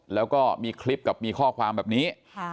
แล้วก็มีคลิปกับมีข้อความแบบนี้